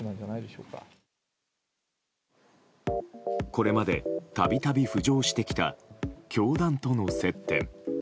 これまで度々浮上してきた教団との接点。